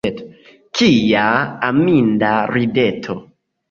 Kia aminda rideto!